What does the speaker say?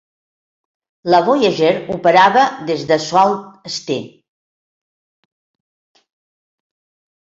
La Voyager operava des de Sault Ste.